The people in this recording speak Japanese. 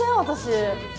私。